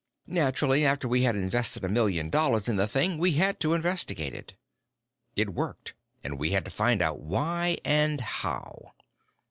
"Naturally, after we had invested a million dollars in the thing, we had to investigate it. It worked, and we had to find out why and how."